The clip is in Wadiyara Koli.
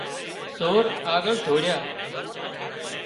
سور آڳۯ ڌوڙيا